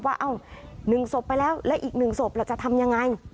ว่าหนึ่งศพไปแล้วแล้วอีกหนึ่งศพเราจะทำอย่างไร